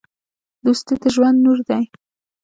دوستي د ژوند نور دی.